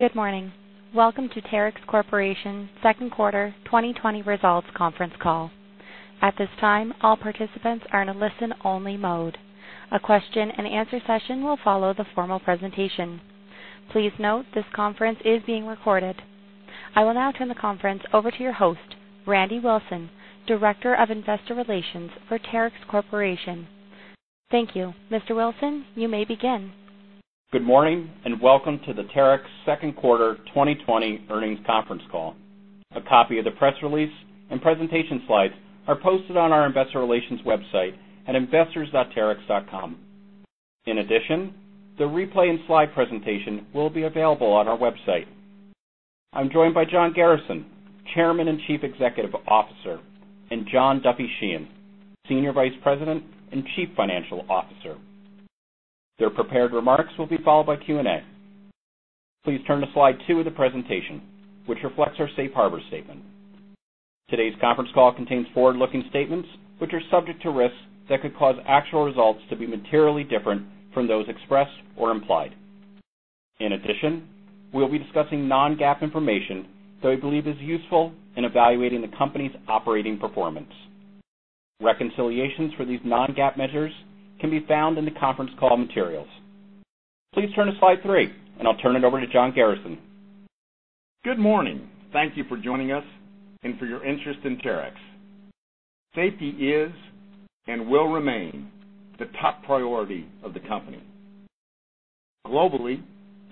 Good morning. Welcome to Terex Corporation second quarter 2020 results conference call. At this time, all participants are in a listen-only mode. A question-and-answer session will follow the formal presentation. Please note this conference is being recorded. I will now turn the conference over to your host, Randy Wilson, Director of Investor Relations for Terex Corporation. Thank you. Mr. Wilson, you may begin. Good morning and welcome to the Terex second quarter 2020 earnings conference call. A copy of the press release and presentation slides are posted on our investor relations website at investors.terex.com. In addition, the replay and slide presentation will be available on our website. I'm joined by John Garrison, Chairman and Chief Executive Officer, and John Duffy Sheehan, Senior Vice President and Chief Financial Officer. Their prepared remarks will be followed by Q&A. Please turn to slide two of the presentation, which reflects our safe harbor statement. Today's conference call contains forward-looking statements, which are subject to risks that could cause actual results to be materially different from those expressed or implied. In addition, we'll be discussing non-GAAP information that we believe is useful in evaluating the company's operating performance. Reconciliations for these non-GAAP measures can be found in the conference call materials. Please turn to slide three, and I'll turn it over to John Garrison. Good morning. Thank you for joining us and for your interest in Terex. Safety is and will remain the top priority of the company. Globally,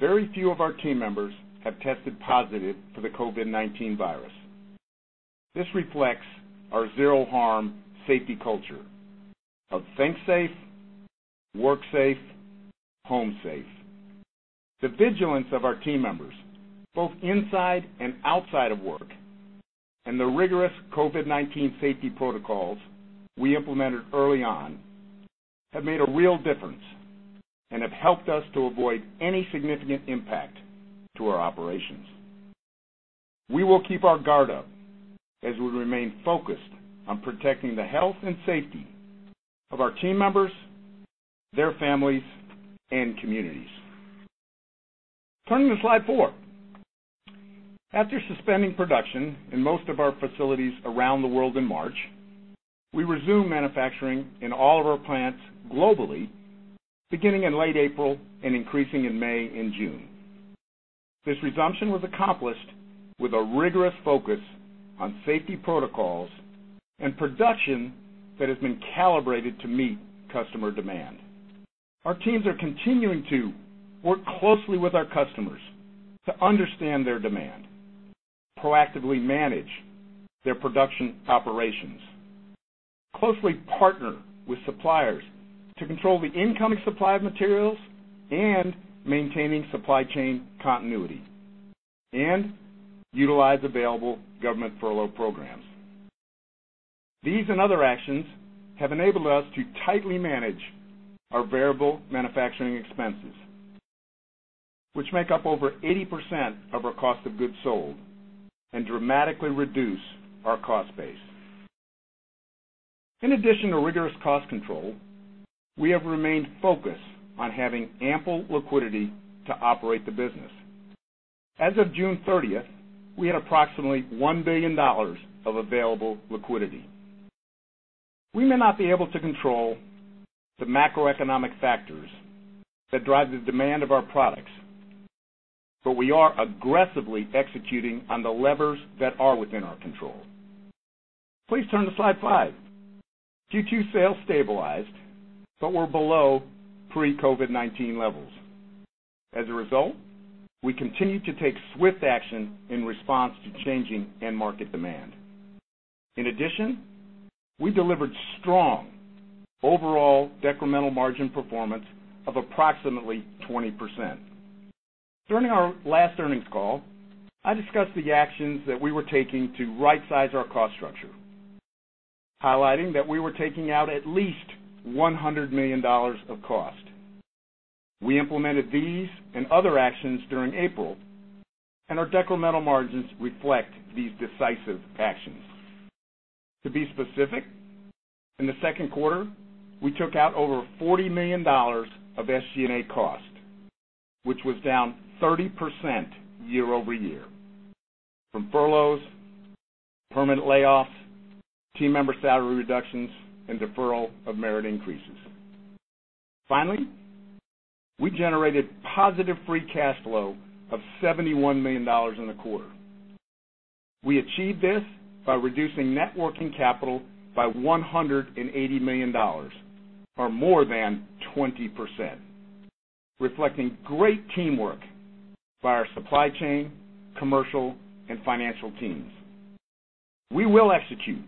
very few of our team members have tested positive for the COVID-19 virus. This reflects our Zero Harm safety culture of think safe, work safe, home safe. The vigilance of our team members, both inside and outside of work, and the rigorous COVID-19 safety protocols we implemented early on, have made a real difference and have helped us to avoid any significant impact to our operations. We will keep our guard up as we remain focused on protecting the health and safety of our team members, their families, and communities. Turning to slide four. After suspending production in most of our facilities around the world in March, we resumed manufacturing in all of our plants globally, beginning in late April and increasing in May and June. This resumption was accomplished with a rigorous focus on safety protocols and production that has been calibrated to meet customer demand. Our teams are continuing to work closely with our customers to understand their demand, proactively manage their production operations, closely partner with suppliers to control the incoming supply of materials and maintaining supply chain continuity, and utilize available government furlough programs. These other actions have enabled us to tightly manage our variable manufacturing expenses, which make up over 80% of our cost of goods sold, and dramatically reduce our cost base. In addition to rigorous cost control, we have remained focused on having ample liquidity to operate the business. As of June 30th, we had approximately $1 billion of available liquidity. We may not be able to control the macroeconomic factors that drive the demand of our products, but we are aggressively executing on the levers that are within our control. Please turn to slide five. Q2 sales stabilized, but were below pre-COVID-19 levels. As a result, we continued to take swift action in response to changing end market demand. In addition, we delivered strong overall decremental margin performance of approximately 20%. During our last earnings call, I discussed the actions that we were taking to rightsize our cost structure, highlighting that we were taking out at least $100 million of cost. We implemented these and other actions during April, and our decremental margins reflect these decisive actions. To be specific, in the second quarter, we took out over $40 million of SG&A cost, which was down 30% year-over-year from furloughs, permanent layoffs, team member salary reductions, and deferral of merit increases. Finally, we generated positive free cash flow of $71 million in the quarter. We achieved this by reducing net working capital by $180 million, or more than 20%, reflecting great teamwork by our supply chain, commercial, and financial teams. We will execute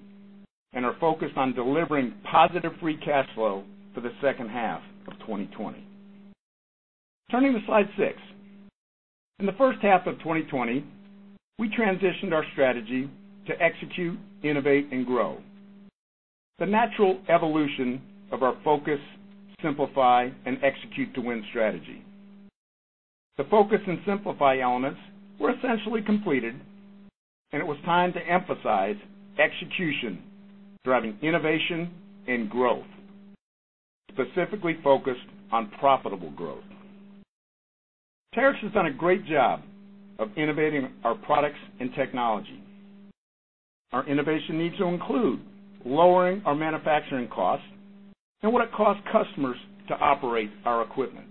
and are focused on delivering positive free cash flow for the second half of 2020. Turning to slide six. In the first half of 2020, we transitioned our strategy to execute, innovate, and grow, the natural evolution of our focus, simplify, and execute to win strategy. The focus and simplify elements were essentially completed, and it was time to emphasize execution, driving innovation and growth. Specifically focused on profitable growth. Terex has done a great job of innovating our products and technology. Our innovation needs to include lowering our manufacturing costs and what it costs customers to operate our equipment.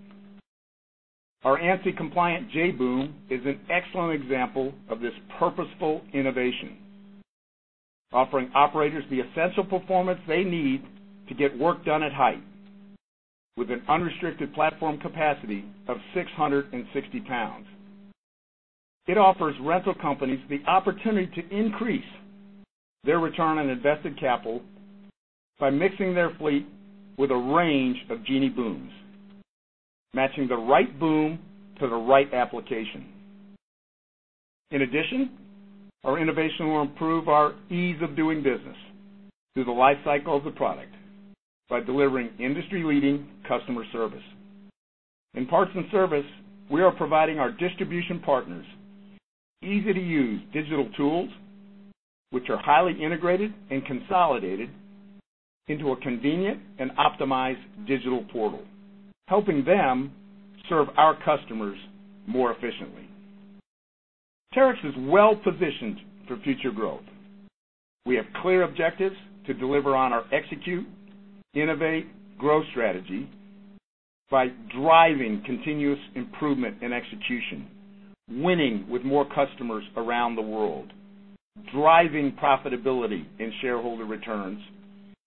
Our ANSI-compliant J-Boom is an excellent example of this purposeful innovation, offering operators the essential performance they need to get work done at height, with an unrestricted platform capacity of 660 lbs. It offers rental companies the opportunity to increase their return on invested capital by mixing their fleet with a range of Genie booms, matching the right boom to the right application. In addition, our innovation will improve our ease of doing business through the life cycle of the product by delivering industry-leading customer service. In parts and service, we are providing our distribution partners easy-to-use digital tools, which are highly integrated and consolidated into a convenient and optimized digital portal, helping them serve our customers more efficiently. Terex is well-positioned for future growth. We have clear objectives to deliver on our Execute, Innovate, Grow Strategy by driving continuous improvement and execution, winning with more customers around the world, driving profitability in shareholder returns,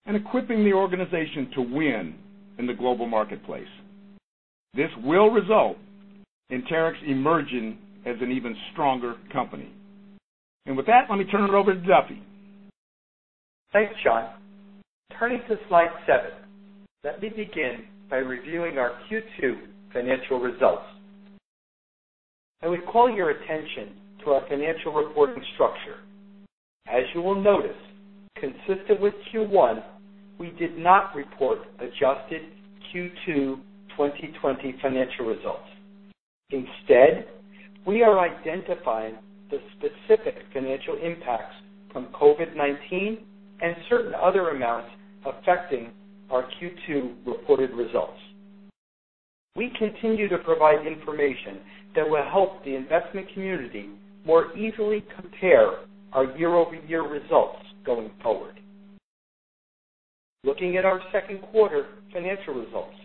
and equipping the organization to win in the global marketplace. This will result in Terex emerging as an even stronger company. With that, let me turn it over to Duffy. Thanks, John. Turning to slide seven, let me begin by reviewing our Q2 financial results. I would call your attention to our financial reporting structure. As you will notice, consistent with Q1, we did not report adjusted Q2 2020 financial results. Instead, we are identifying the specific financial impacts from COVID-19 and certain other amounts affecting our Q2 reported results. We continue to provide information that will help the investment community more easily compare our year-over-year results going forward. Looking at our second quarter financial results,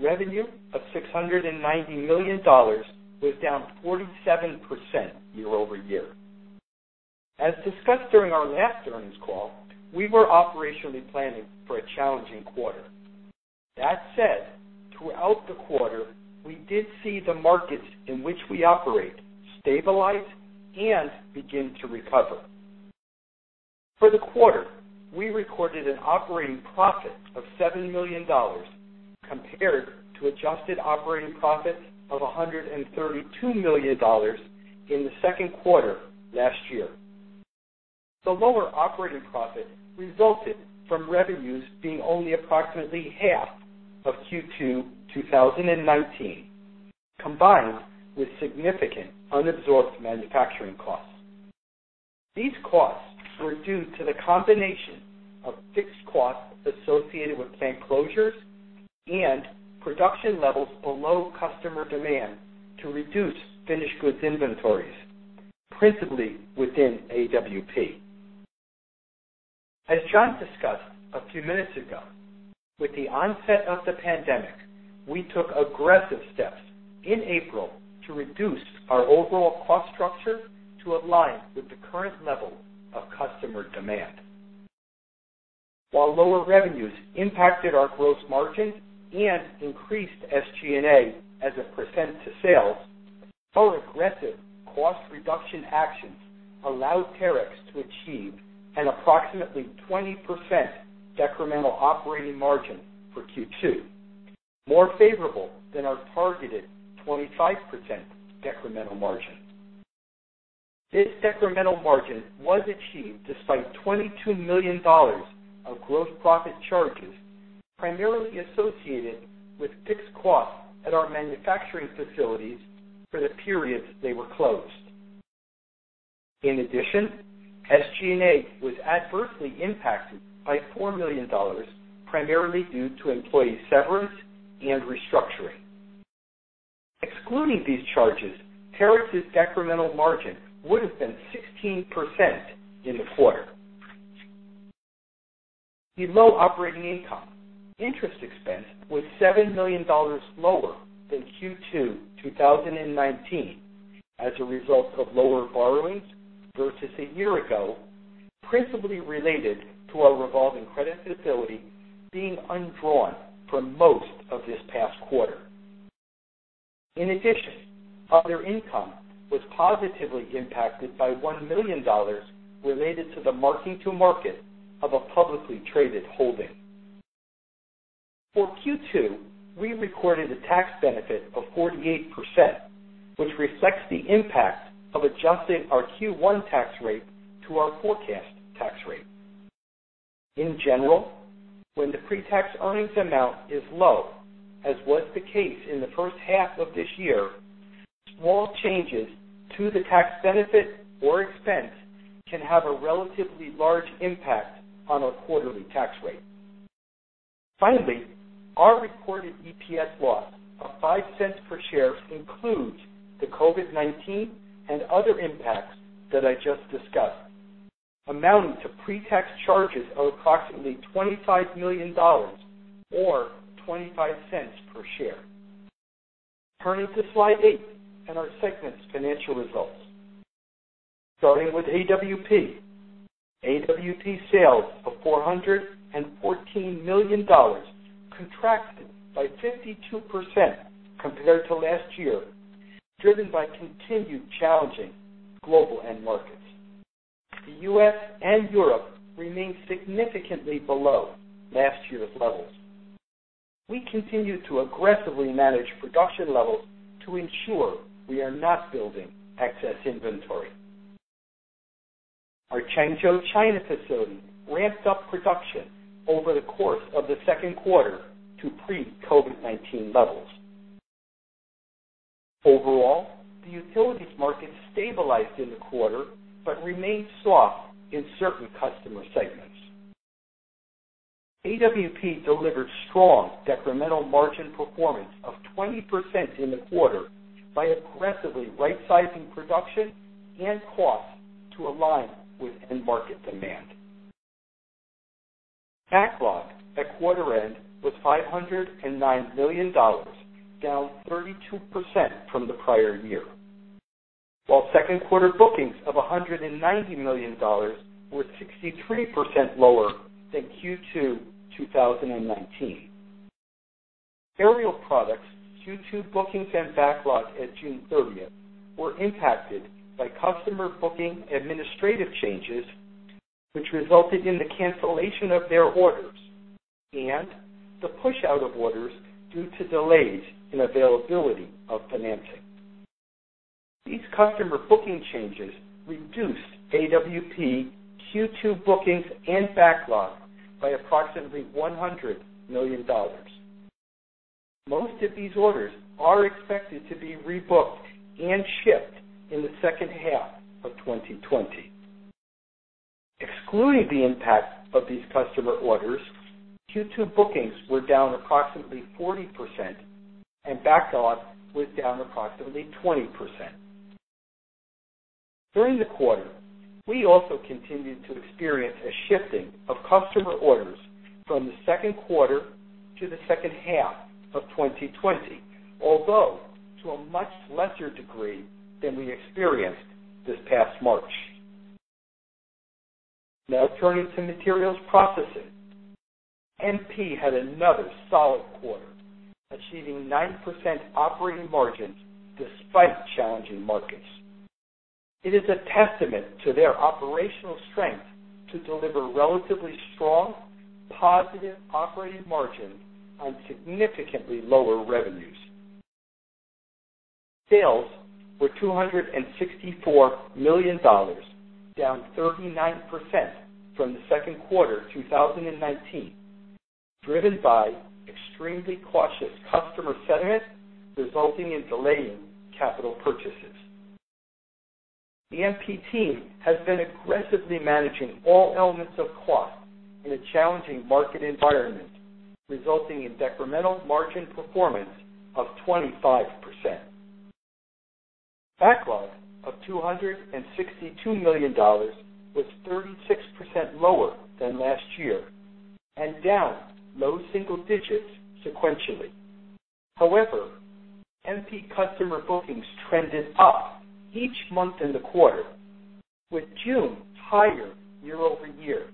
revenue of $690 million was down 47% year-over-year. As discussed during our last earnings call, we were operationally planning for a challenging quarter. That said, throughout the quarter, we did see the markets in which we operate stabilize and begin to recover. For the quarter, we recorded an operating profit of $7 million compared to adjusted operating profit of $132 million in the second quarter last year. The lower operating profit resulted from revenues being only approximately half of Q2 2019, combined with significant unabsorbed manufacturing costs. These costs were due to the combination of fixed costs associated with plant closures and production levels below customer demand to reduce finished goods inventories, principally within AWP. As John discussed a few minutes ago, with the onset of the pandemic, we took aggressive steps in April to reduce our overall cost structure to align with the current level of customer demand. While lower revenues impacted our gross margin and increased SG&A as a percent to sales, our aggressive cost reduction actions allowed Terex to achieve an approximately 20% decremental operating margin for Q2, more favorable than our targeted 25% decremental margin. This decremental margin was achieved despite $22 million of gross profit charges, primarily associated with fixed costs at our manufacturing facilities for the periods they were closed. In addition, SG&A was adversely impacted by $4 million, primarily due to employee severance and restructuring. Excluding these charges, Terex's decremental margin would've been 16% in the quarter. Below operating income, interest expense was $7 million lower than Q2 2019 as a result of lower borrowings versus a year ago, principally related to our revolving credit facility being undrawn for most of this past quarter. In addition, other income was positively impacted by $1 million related to the marking to market of a publicly traded holding. For Q2, we recorded a tax benefit of 48%, which reflects the impact of adjusting our Q1 tax rate to our forecast tax rate. In general, when the pre-tax earnings amount is low, as was the case in the first half of this year. Small changes to the tax benefit or expense can have a relatively large impact on our quarterly tax rate. Our reported EPS loss of $0.05 per share includes the COVID-19 and other impacts that I just discussed, amounting to pre-tax charges of approximately $25 million or $0.25 per share. Turning to Slide eight and our segments financial results. Starting with AWP. AWP sales of $414 million contracted by 52% compared to last year, driven by continued challenging global end markets. The U.S. and Europe remain significantly below last year's levels. We continue to aggressively manage production levels to ensure we are not building excess inventory. Our Changzhou, China facility ramped up production over the course of the second quarter to pre-COVID-19 levels. Overall, the Utilities market stabilized in the quarter, but remained soft in certain customer segments. AWP delivered strong decremental margin performance of 20% in the quarter by aggressively rightsizing production and costs to align with end market demand. Backlog at quarter end was $509 million, down 32% from the prior year. Second quarter bookings of $190 million were 63% lower than Q2 2019. Aerial Products Q2 bookings and backlog at June 30th were impacted by customer booking administrative changes, which resulted in the cancellation of their orders and the push out of orders due to delays in availability of financing. These customer booking changes reduced AWP Q2 bookings and backlog by approximately $100 million. Most of these orders are expected to be rebooked and shipped in the second half of 2020. Excluding the impact of these customer orders, Q2 bookings were down approximately 40% and backlog was down approximately 20%. During the quarter, we also continued to experience a shifting of customer orders from the second quarter to the second half of 2020, although to a much lesser degree than we experienced this past March. Turning to Materials Processing. MP had another solid quarter, achieving 9% operating margins despite challenging markets. It is a testament to their operational strength to deliver relatively strong, positive operating margin on significantly lower revenues. Sales were $264 million, down 39% from the second quarter 2019, driven by extremely cautious customer sentiment resulting in delaying capital purchases. The MP team has been aggressively managing all elements of cost in a challenging market environment, resulting in decremental margin performance of 25%. Backlog of $262 million was 36% lower than last year and down low single digits sequentially. MP customer bookings trended up each month in the quarter, with June higher year-over-year,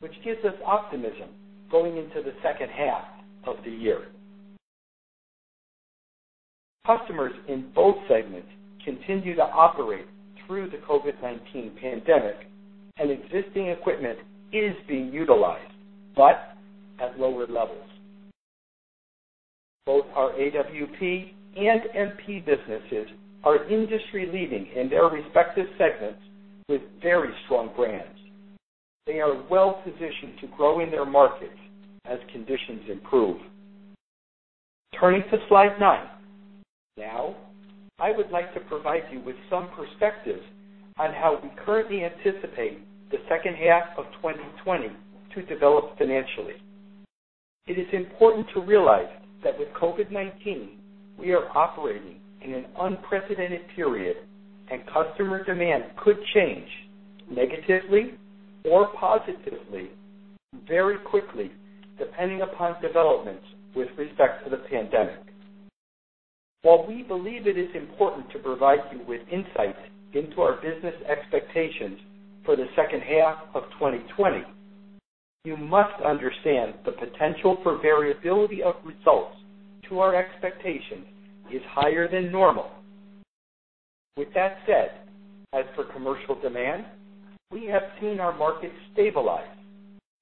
which gives us optimism going into the second half of the year. Customers in both segments continue to operate through the COVID-19 pandemic, and existing equipment is being utilized, but at lower levels. Both our AWP and MP businesses are industry leading in their respective segments with very strong brands. They are well positioned to grow in their markets as conditions improve. Turning to Slide nine. I would like to provide you with some perspective on how we currently anticipate the second half of 2020 to develop financially. It is important to realize that with COVID-19, we are operating in an unprecedented period, and customer demand could change negatively or positively very quickly, depending upon developments with respect to the pandemic. While we believe it is important to provide you with insights into our business expectations for the second half of 2020, you must understand the potential for variability of results to our expectations is higher than normal. With that said, as for commercial demand, we have seen our market stabilize,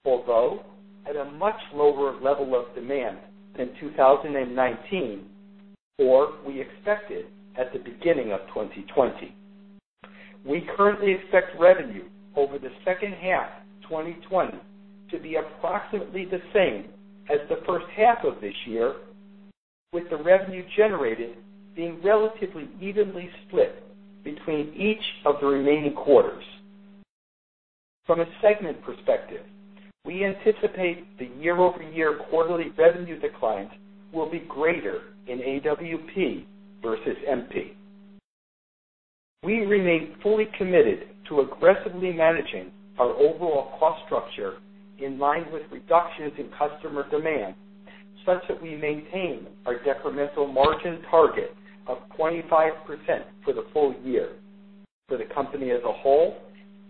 although at a much lower level of demand than 2019, or we expected at the beginning of 2020. We currently expect revenue over the second half 2020 to be approximately the same as the first half of this year, with the revenue generated being relatively evenly split between each of the remaining quarters. From a segment perspective, we anticipate the year-over-year quarterly revenue declines will be greater in AWP versus MP. We remain fully committed to aggressively managing our overall cost structure in line with reductions in customer demand, such that we maintain our decremental margin target of 25% for the full year, for the company as a whole,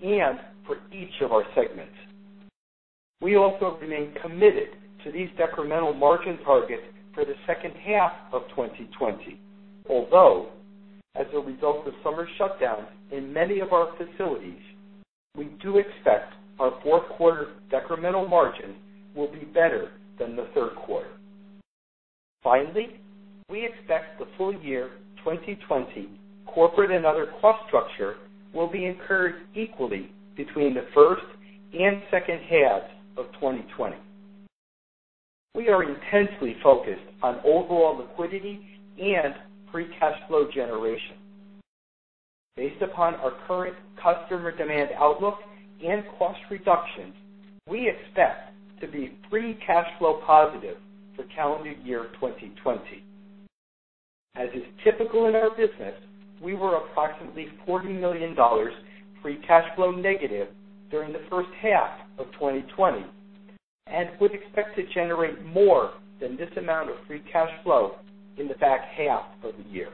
and for each of our segments. We also remain committed to these decremental margin targets for the second half of 2020. Although, as a result of summer shutdowns in many of our facilities, we do expect our fourth quarter decremental margin will be better than the third quarter. Finally, we expect the full year 2020 corporate and other cost structure will be incurred equally between the first and second halves of 2020. We are intensely focused on overall liquidity and free cash flow generation. Based upon our current customer demand outlook and cost reductions, we expect to be free cash flow positive for calendar year 2020. As is typical in our business, we were approximately $40 million free cash flow negative during the first half of 2020, and would expect to generate more than this amount of free cash flow in the back half of the year.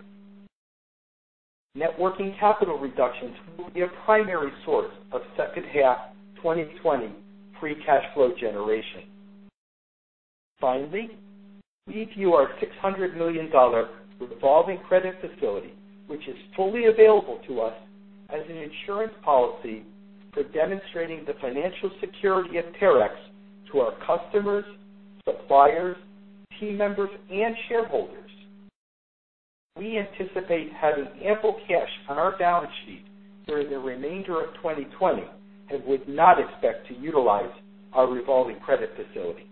Net working capital reductions will be a primary source of second half 2020 free cash flow generation. Finally, we view our $600 million revolving credit facility, which is fully available to us as an insurance policy for demonstrating the financial security of Terex to our customers, suppliers, team members and shareholders. We anticipate having ample cash on our balance sheet during the remainder of 2020 and would not expect to utilize our revolving credit facility.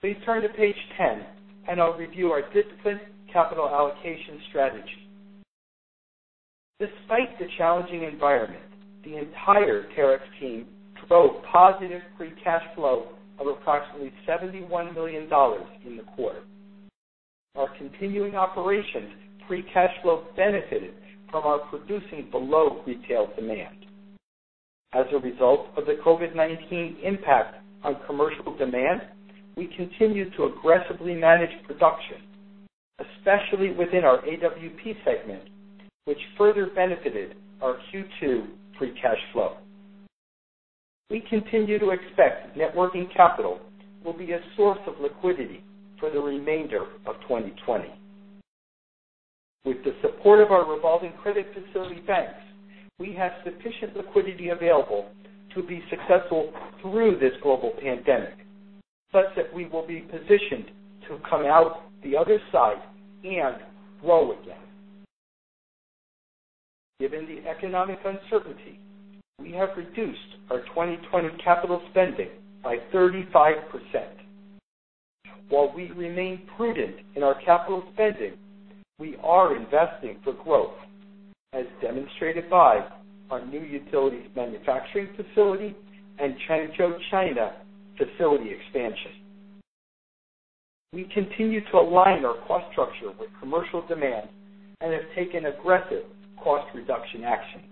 Please turn to page 10. I'll review our disciplined capital allocation strategy. Despite the challenging environment, the entire Terex team drove positive free cash flow of approximately $71 million in the quarter. Our continuing operations free cash flow benefited from our producing below retail demand. As a result of the COVID-19 impact on commercial demand, we continue to aggressively manage production, especially within our AWP segment, which further benefited our Q2 free cash flow. We continue to expect net working capital will be a source of liquidity for the remainder of 2020. With the support of our revolving credit facility banks, we have sufficient liquidity available to be successful through this global pandemic, such that we will be positioned to come out the other side and grow again. Given the economic uncertainty, we have reduced our 2020 capital spending by 35%. While we remain prudent in our capital spending, we are investing for growth, as demonstrated by our new utilities manufacturing facility and Changzhou, China facility expansion. We continue to align our cost structure with commercial demand and have taken aggressive cost reduction actions.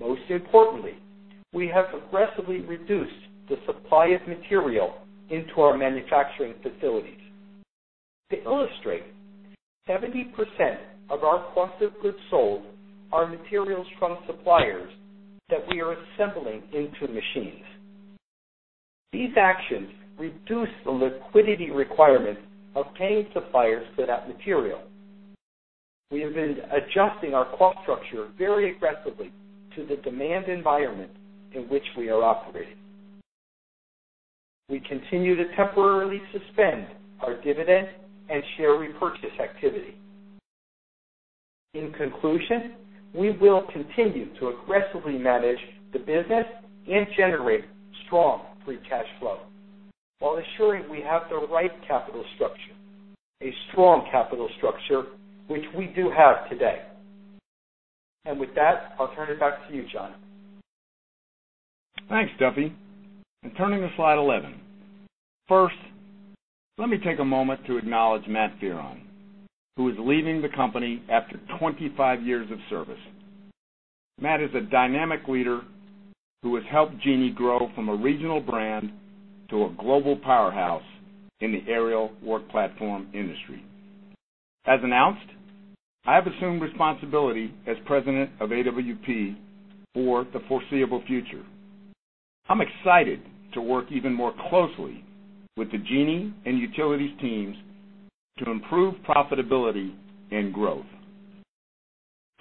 Most importantly, we have aggressively reduced the supply of material into our manufacturing facilities. To illustrate, 70% of our cost of goods sold are materials from suppliers that we are assembling into machines. These actions reduce the liquidity requirement of paying suppliers for that material. We have been adjusting our cost structure very aggressively to the demand environment in which we are operating. We continue to temporarily suspend our dividend and share repurchase activity. In conclusion, we will continue to aggressively manage the business and generate strong free cash flow while assuring we have the right capital structure, a strong capital structure, which we do have today. With that, I'll turn it back to you, John. Thanks, Duffy. Turning to slide 11. First, let me take a moment to acknowledge Matt Fearon, who is leaving the company after 25 years of service. Matt is a dynamic leader who has helped Genie grow from a regional brand to a global powerhouse in the aerial work platform industry. As announced, I have assumed responsibility as President of AWP for the foreseeable future. I'm excited to work even more closely with the Genie and Utilities teams to improve profitability and growth.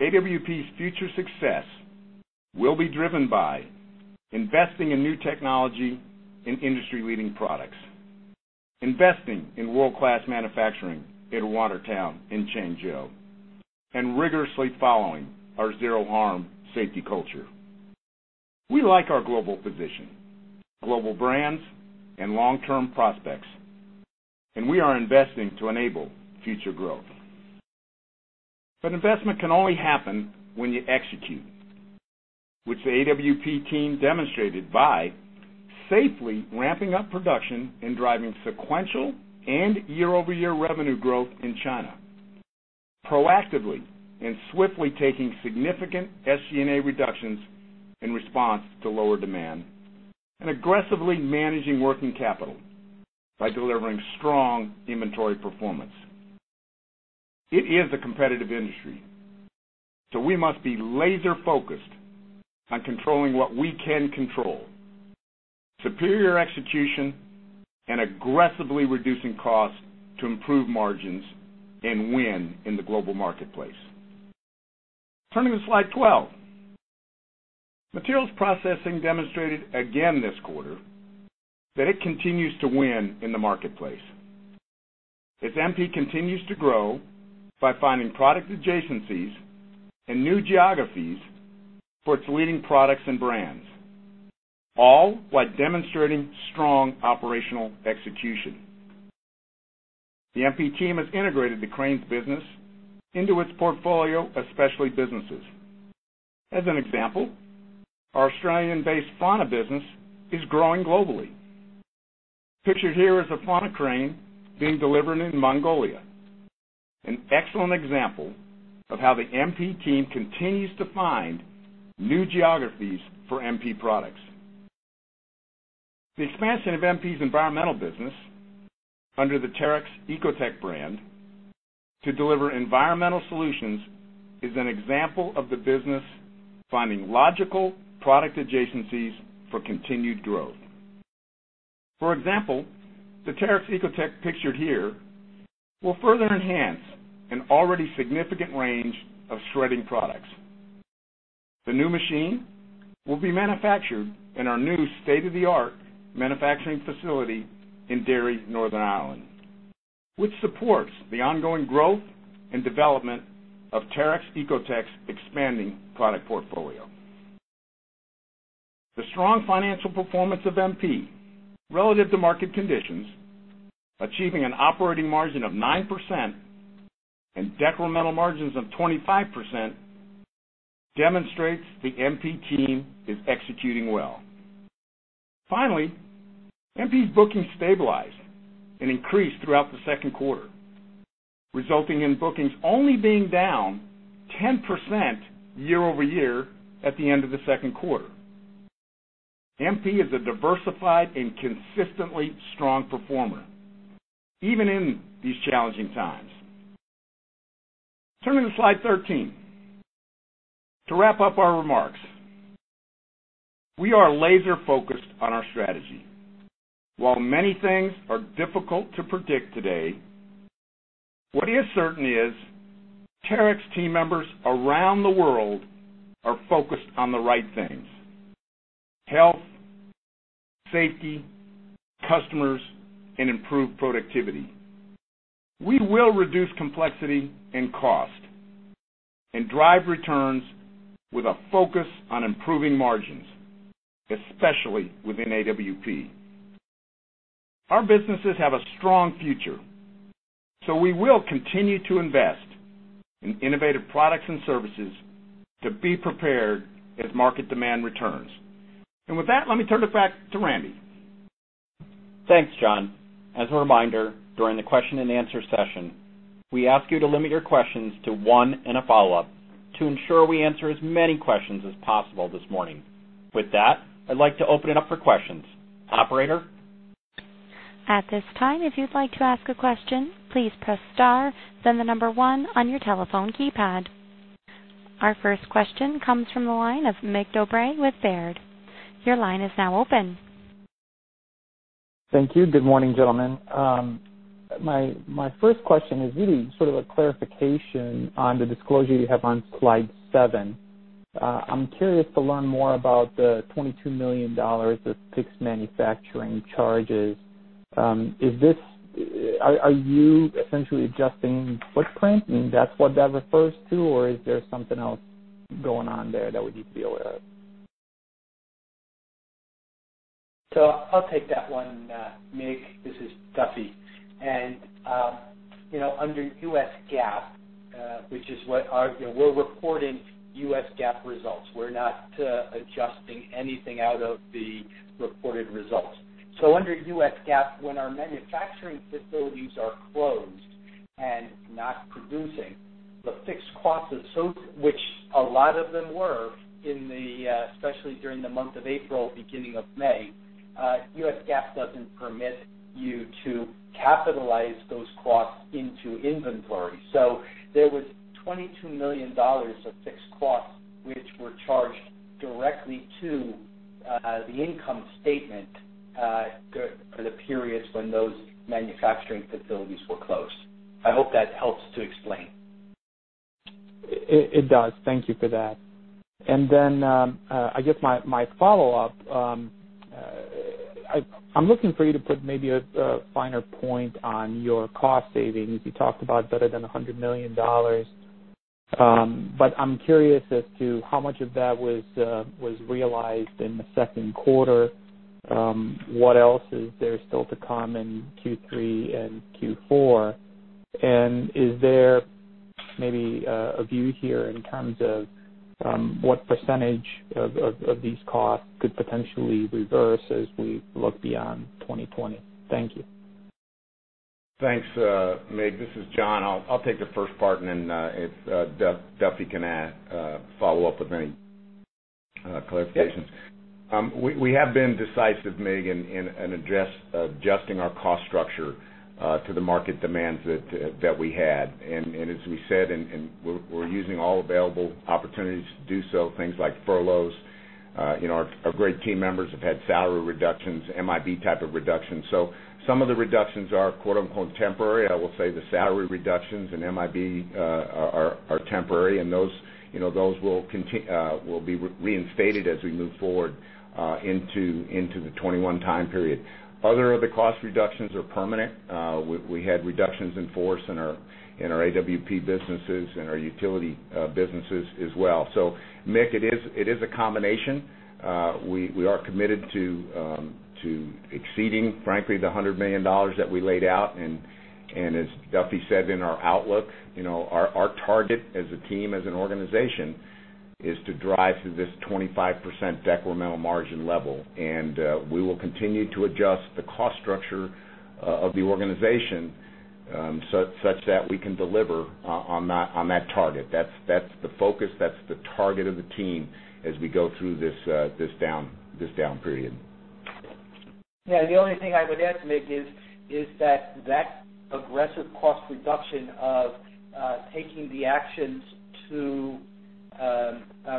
AWP's future success will be driven by investing in new technology and industry-leading products, investing in world-class manufacturing in Watertown and Changzhou, and rigorously following our Zero Harm safety culture. We like our global position, global brands, and long-term prospects, and we are investing to enable future growth. Investment can only happen when you execute, which the AWP team demonstrated by safely ramping up production and driving sequential and year-over-year revenue growth in China, proactively and swiftly taking significant SG&A reductions in response to lower demand, and aggressively managing working capital by delivering strong inventory performance. It is a competitive industry, we must be laser-focused on controlling what we can control, superior execution and aggressively reducing costs to improve margins and win in the global marketplace. Turning to slide 12. Materials Processing demonstrated again this quarter that it continues to win in the marketplace. MP continues to grow by finding product adjacencies and new geographies for its leading products and brands, all while demonstrating strong operational execution. The MP team has integrated the Cranes business into its portfolio of specialty businesses. An example, our Australian-based Franna business is growing globally. Pictured here is a Franna crane being delivered in Mongolia, an excellent example of how the MP team continues to find new geographies for MP products. The expansion of MP's environmental business under the Terex Ecotec brand to deliver environmental solutions is an example of the business finding logical product adjacencies for continued growth. The Terex Ecotec pictured here will further enhance an already significant range of shredding products. The new machine will be manufactured in our new state-of-the-art manufacturing facility in Derry, Northern Ireland, which supports the ongoing growth and development of Terex Ecotec's expanding product portfolio. The strong financial performance of MP relative to market conditions, achieving an operating margin of 9% and decremental margins of 25%, demonstrates the MP team is executing well. Finally, MP's bookings stabilized and increased throughout the second quarter, resulting in bookings only being down 10% year-over-year at the end of the second quarter. MP is a diversified and consistently strong performer, even in these challenging times. Turning to slide 13. To wrap up our remarks, we are laser-focused on our strategy. While many things are difficult to predict today, what is certain is Terex team members around the world are focused on the right things, health, safety, customers, and improved productivity. We will reduce complexity and cost and drive returns with a focus on improving margins, especially within AWP. We will continue to invest in innovative products and services to be prepared as market demand returns. With that, let me turn it back to Randy. Thanks, John. As a reminder, during the question-and-answer session, we ask you to limit your questions to one and a follow-up to ensure we answer as many questions as possible this morning. With that, I'd like to open it up for questions. Operator? At this time, if you'd like to ask a question, please press star, then the number one on your telephone keypad. Our first question comes from the line of Mig Dobre with Baird. Your line is now open. Thank you. Good morning, gentlemen. My first question is really sort of a clarification on the disclosure you have on slide seven. I'm curious to learn more about the $22 million of fixed manufacturing charges. Are you essentially adjusting footprint, and that's what that refers to, or is there something else going on there that we need to be aware of? I'll take that one, Mig. This is Duffy. Under U.S. GAAP, we're reporting U.S. GAAP results. We're not adjusting anything out of the reported results. Under U.S. GAAP, when our manufacturing facilities are closed and not producing the fixed costs, which a lot of them were especially during the month of April, beginning of May, U.S. GAAP doesn't permit you to capitalize those costs into inventory. There was $22 million of fixed costs, which were charged directly to the income statement for the periods when those manufacturing facilities were closed. I hope that helps to explain. It does. Thank you for that. I guess my follow-up, I'm looking for you to put maybe a finer point on your cost savings. You talked about better than $100 million. I'm curious as to how much of that was realized in the second quarter. What else is there still to come in Q3 and Q4? Is there maybe a view here in terms of what % of these costs could potentially reverse as we look beyond 2020? Thank you. Thanks, Mig. This is John. I'll take the first part, and then if Duffy can follow up with any clarifications. We have been decisive, Mig, in adjusting our cost structure to the market demands that we had. As we said, we're using all available opportunities to do so. Things like furloughs. Our great team members have had salary reductions, MIP type of reductions. Some of the reductions are "temporary." I will say the salary reductions in MIP are temporary, and those will be reinstated as we move forward into the 2021 time period. Other of the cost reductions are permanent. We had reductions in force in our AWP businesses and our Utilities businesses as well. Mig, it is a combination. We are committed to exceeding, frankly, the $100 million that we laid out, and as Duffy said in our outlook, our target as a team, as an organization, is to drive to this 25% decremental margin level. We will continue to adjust the cost structure of the organization such that we can deliver on that target. That's the focus, that's the target of the team as we go through this down period. Yeah, the only thing I would add to Mig is that aggressive cost reduction of taking the actions to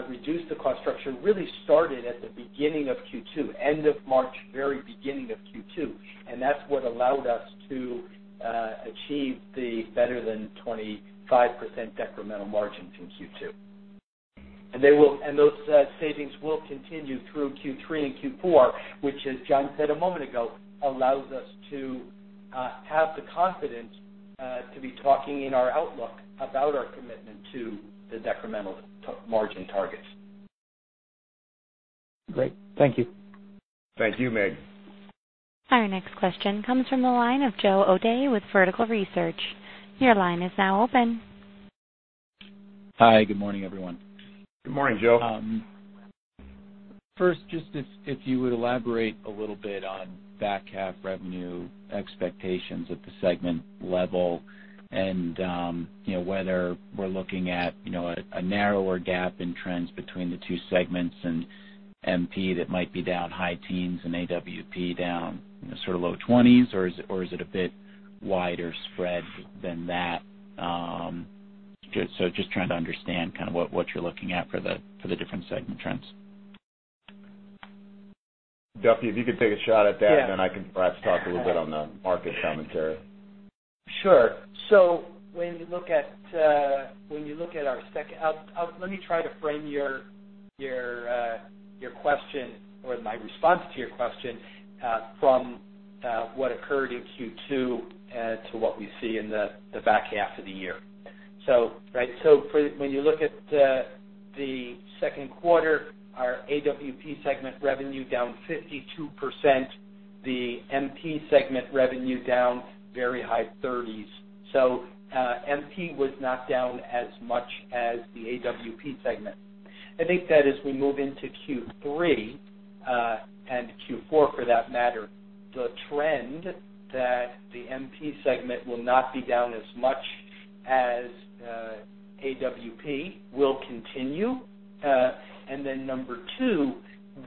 reduce the cost structure really started at the beginning of Q2, end of March, very beginning of Q2, and that's what allowed us to achieve the better than 25% decremental margins in Q2. Those savings will continue through Q3 and Q4, which as John said a moment ago, allows us to have the confidence to be talking in our outlook about our commitment to the decremental margin targets. Great. Thank you. Thank you, Mig. Our next question comes from the line of Joe O'Dea with Vertical Research. Your line is now open. Hi, good morning, everyone. Good morning, Joe. Just if you would elaborate a little bit on back half revenue expectations at the segment level and whether we're looking at a narrower gap in trends between the two segments in MP that might be down high teens and AWP down sort of low 20s, or is it a bit wider spread than that? Just trying to understand what you're looking at for the different segment trends. Duffy, if you could take a shot at that. Yeah. I can perhaps talk a little bit on the market commentary. Sure. Let me try to frame your question or my response to your question, from what occurred in Q2 to what we see in the back half of the year. When you look at the second quarter, our AWP segment revenue down 52%, the MP segment revenue down very high 30s. MP was not down as much as the AWP segment. I think that as we move into Q3, and Q4 for that matter, the trend that the MP segment will not be down as much as AWP will continue. Then number two,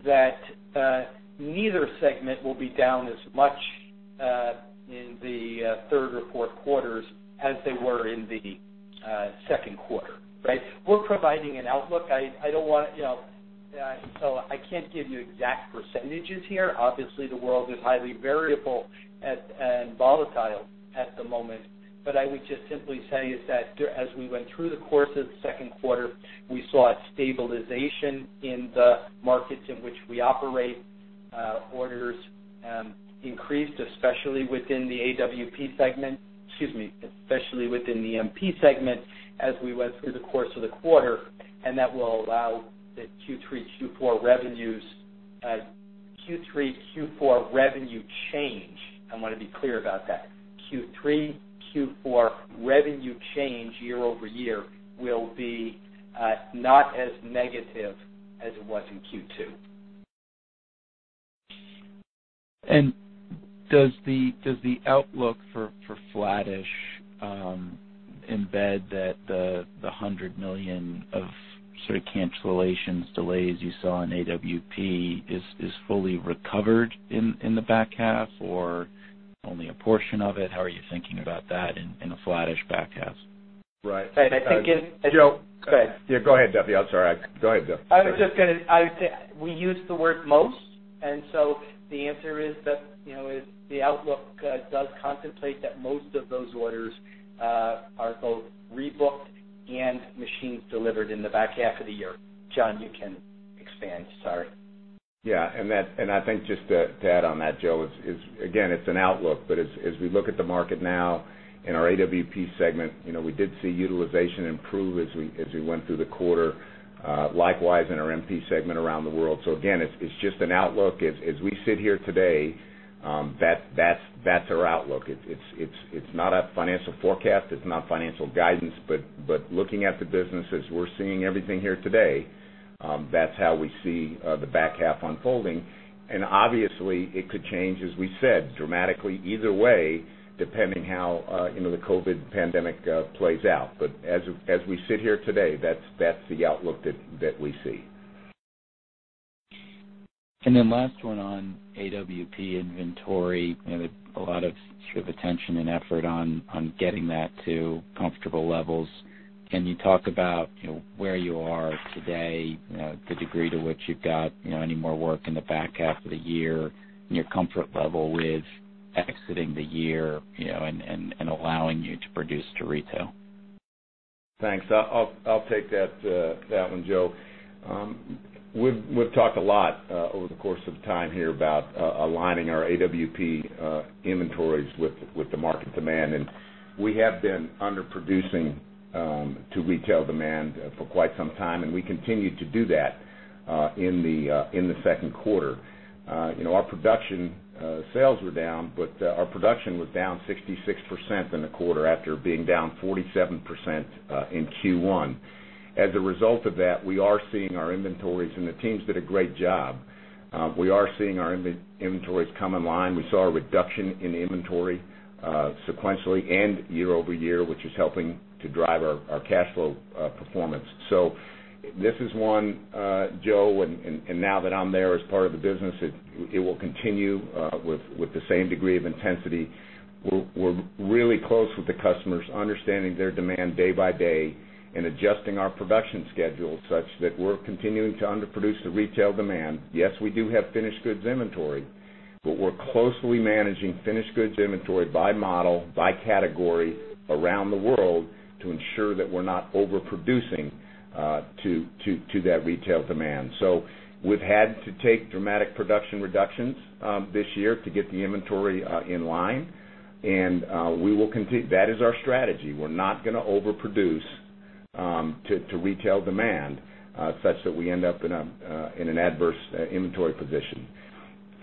that neither segment will be down as much in the third or fourth quarters as they were in the second quarter. We're providing an outlook. I can't give you exact percentages here. Obviously, the world is highly variable and volatile at the moment. I would just simply say is that as we went through the course of the second quarter, we saw a stabilization in the markets in which we operate. Orders increased, especially within the AWP segment. Excuse me, especially within the MP segment as we went through the course of the quarter, that will allow the Q3, Q4 revenue change. I want to be clear about that. Q3, Q4 revenue change year-over-year will be not as negative as it was in Q2. Does the outlook for flattish embed that the $100 million of sort of cancellations, delays you saw in AWP is fully recovered in the back half or only a portion of it? How are you thinking about that in a flattish back half? Right. Right. Joe. Go ahead. Yeah, go ahead, Duffy. I'm sorry. Go ahead, Duffy. Sorry. I would say we use the word most. The answer is that the outlook does contemplate that most of those orders are both rebooked and machines delivered in the back half of the year. John, you can expand. Sorry. Yeah. I think just to add on that, Joe, is again, it's an outlook, but as we look at the market now in our AWP segment, we did see utilization improve as we went through the quarter. Likewise in our MP segment around the world. Again, it's just an outlook. As we sit here today, that's our outlook. It's not a financial forecast, it's not financial guidance, but looking at the business as we're seeing everything here today, that's how we see the back half unfolding. Obviously, it could change, as we said, dramatically either way, depending how the COVID pandemic plays out. As we sit here today, that's the outlook that we see. Last one on AWP inventory. A lot of sort of attention and effort on getting that to comfortable levels. Can you talk about where you are today, the degree to which you've got any more work in the back half of the year, and your comfort level with exiting the year, and allowing you to produce to retail? Thanks. I'll take that one, Joe. We've talked a lot over the course of time here about aligning our AWP inventories with the market demand. We have been underproducing to retail demand for quite some time, and we continued to do that in the second quarter. Our production sales were down, but our production was down 66% in the quarter after being down 47% in Q1. As a result of that, we are seeing our inventories, and the teams did a great job. We are seeing our inventories come in line. We saw a reduction in inventory sequentially and year-over-year, which is helping to drive our cash flow performance. This is one, Joe, and now that I'm there as part of the business, it will continue with the same degree of intensity. We're really close with the customers, understanding their demand day by day and adjusting our production schedule such that we're continuing to underproduce the retail demand. Yes, we do have finished goods inventory, but we're closely managing finished goods inventory by model, by category, around the world to ensure that we're not overproducing to that retail demand. We've had to take dramatic production reductions this year to get the inventory in line. That is our strategy. We're not going to overproduce to retail demand such that we end up in an adverse inventory position.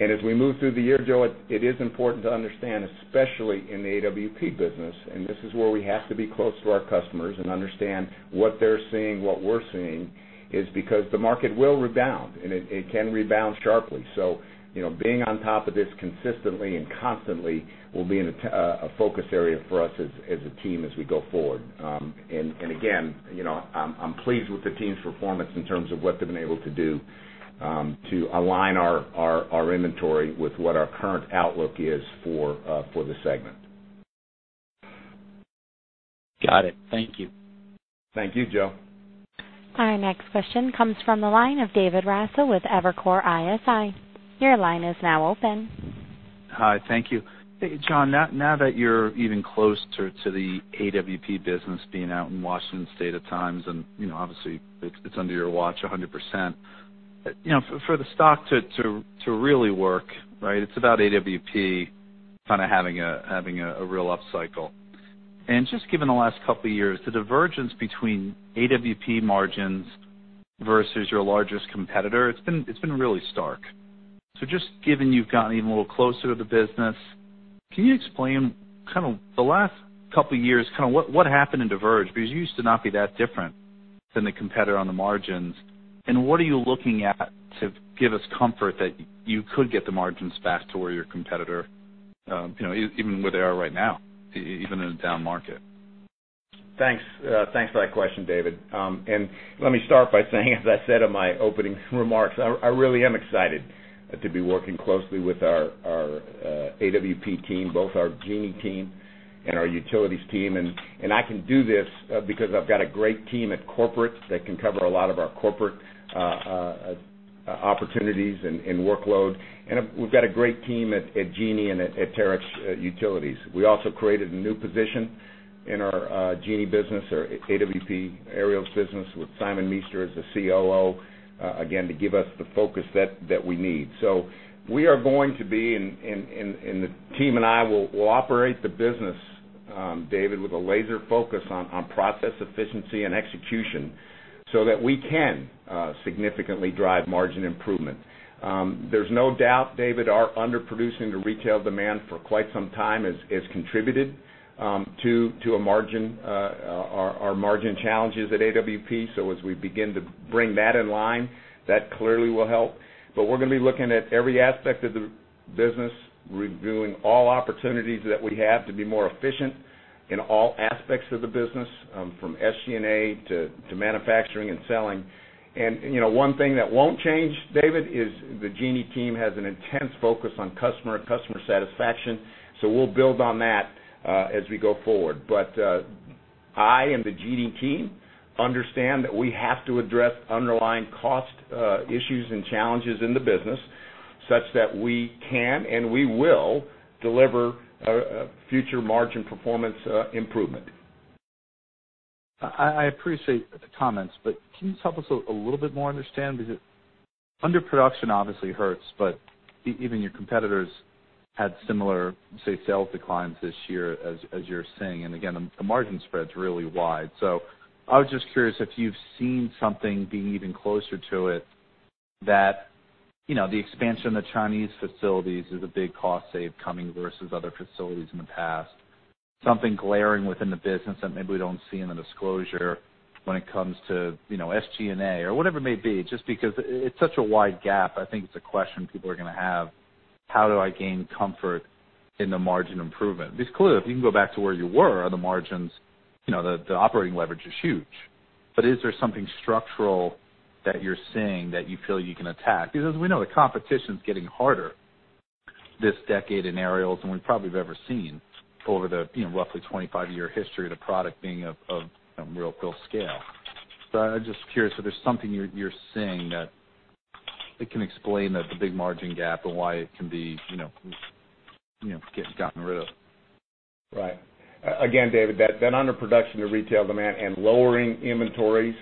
As we move through the year, Joe, it is important to understand, especially in the AWP business, and this is where we have to be close to our customers and understand what they're seeing, what we're seeing, is because the market will rebound, and it can rebound sharply. Being on top of this consistently and constantly will be a focus area for us as a team as we go forward. Again, I'm pleased with the team's performance in terms of what they've been able to do to align our inventory with what our current outlook is for the segment. Got it. Thank you. Thank you, Joe. Our next question comes from the line of David Raso with Evercore ISI. Your line is now open. Hi, thank you. John, now that you're even closer to the AWP business being out in Washington State at times, and obviously it's under your watch 100%. For the stock to really work, it's about AWP kind of having a real up cycle. Just given the last couple of years, the divergence between AWP margins versus your largest competitor, it's been really stark. Just given you've gotten even a little closer to the business, can you explain the last couple of years, what happened in diverge? You used to not be that different than the competitor on the margins. What are you looking at to give us comfort that you could get the margins back to where your competitor, even where they are right now, even in a down market? Thanks for that question, David. Let me start by saying, as I said in my opening remarks, I really am excited to be working closely with our AWP team, both our Genie team and our utilities team. I can do this because I've got a great team at corporate that can cover a lot of our corporate opportunities and workload. We've got a great team at Genie and at Terex Utilities. We also created a new position in our Genie business, our AWP aerials business with Simon Meester as the COO, again, to give us the focus that we need. The team and I will operate the business, David, with a laser focus on process efficiency and execution so that we can significantly drive margin improvement. There's no doubt, David, our underproducing the retail demand for quite some time has contributed to our margin challenges at AWP. As we begin to bring that in line, that clearly will help. We're going to be looking at every aspect of the business, reviewing all opportunities that we have to be more efficient in all aspects of the business, from SG&A to manufacturing and selling. One thing that won't change, David, is the Genie team has an intense focus on customer satisfaction. We'll build on that as we go forward. I and the Genie team understand that we have to address underlying cost issues and challenges in the business such that we can, and we will deliver a future margin performance improvement. I appreciate the comments, can you help us a little bit more understand? Underproduction obviously hurts, but even your competitors had similar, say, sales declines this year as you're seeing. Again, the margin spread's really wide. I was just curious if you've seen something being even closer to it, that the expansion of the Chinese facilities is a big cost save coming versus other facilities in the past. Something glaring within the business that maybe we don't see in the disclosure when it comes to SG&A or whatever it may be. Because it's such a wide gap, I think it's a question people are going to have. How do I gain comfort in the margin improvement? Clearly, if you can go back to where you were, the margins, the operating leverage is huge. Is there something structural that you're seeing that you feel you can attack? As we know, the competition's getting harder this decade in aerials than we probably have ever seen over the roughly 25-year history of the product being of real scale. I'm just curious if there's something you're seeing that it can explain the big margin gap and why it can be gotten rid of. Right. Again, David, that underproduction of retail demand and lowering inventories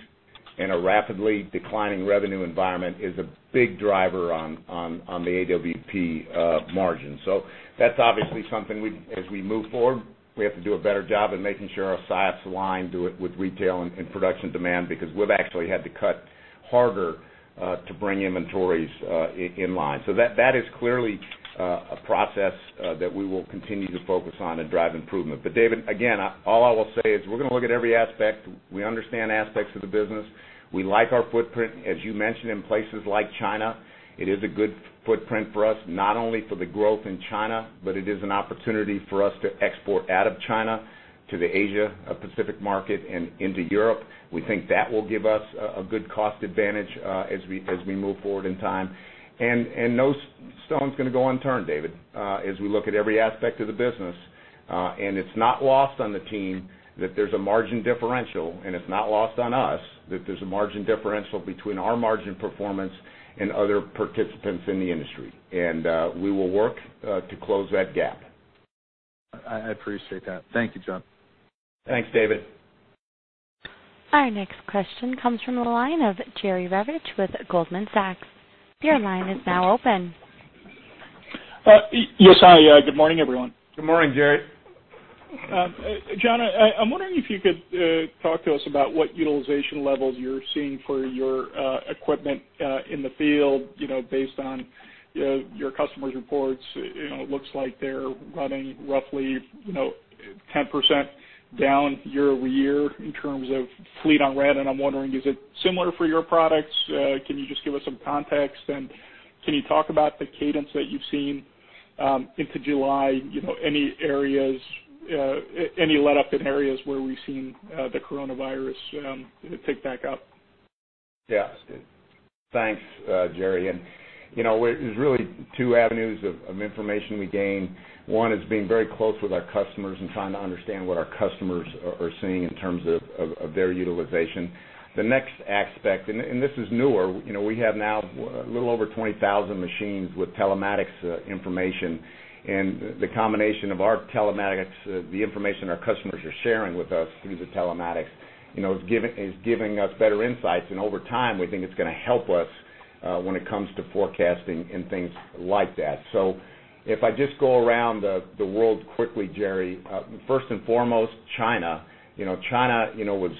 in a rapidly declining revenue environment is a big driver on the AWP margin. That's obviously something as we move forward, we have to do a better job in making sure our sites align to it with retail and production demand, because we've actually had to cut harder, to bring inventories in line. That is clearly a process that we will continue to focus on and drive improvement. David, again, all I will say is we're going to look at every aspect. We understand aspects of the business. We like our footprint. As you mentioned, in places like China, it is a good footprint for us, not only for the growth in China, but it is an opportunity for us to export out of China to the Asia Pacific market and into Europe. We think that will give us a good cost advantage as we move forward in time. No stone's going to go unturned, David, as we look at every aspect of the business. It's not lost on the team that there's a margin differential, and it's not lost on us that there's a margin differential between our margin performance and other participants in the industry. We will work to close that gap. I appreciate that. Thank you, John. Thanks, David. Our next question comes from the line of Jerry Revich with Goldman Sachs. Your line is now open. Yes. Good morning, everyone. Good morning, Jerry. John, I'm wondering if you could talk to us about what utilization levels you're seeing for your equipment in the field based on your customers' reports. It looks like they're running roughly 10% down year-over-year in terms of fleet on rent, and I'm wondering, is it similar for your products? Can you just give us some context, and can you talk about the cadence that you've seen into July? Any letup in areas where we've seen the coronavirus pick back up? Yeah. Thanks, Jerry. There's really two avenues of information we gain. One is being very close with our customers and trying to understand what our customers are seeing in terms of their utilization. The next aspect, this is newer, we have now a little over 20,000 machines with telematics information. The combination of our telematics, the information our customers are sharing with us through the telematics is giving us better insights, and over time, we think it's going to help us when it comes to forecasting and things like that. If I just go around the world quickly, Jerry. First and foremost, China. China was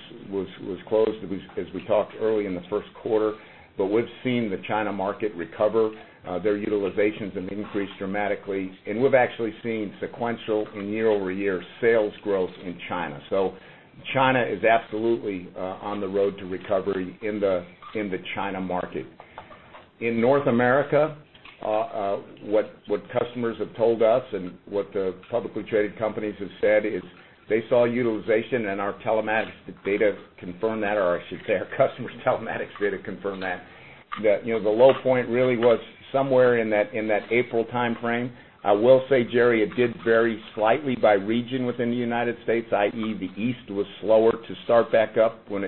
closed as we talked early in the first quarter. We've seen the China market recover. Their utilizations have increased dramatically, and we've actually seen sequential and year-over-year sales growth in China. China is absolutely on the road to recovery in the China market. In North America, what customers have told us and what the publicly traded companies have said is they saw utilization and our telematics data confirm that. I should say our customers' telematics data confirm that. The low point really was somewhere in that April timeframe. I will say, Jerry, it did vary slightly by region within the United States, i.e., the East was slower to start back up when